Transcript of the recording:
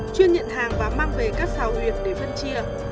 chuyên nhận hàng và mang về các xào huyện để phân chia